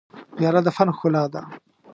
پیاله د فن ښکلا ده.